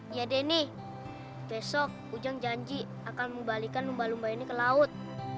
ya denny besok ujang janji akan membalikan lumba lumba ini ke laut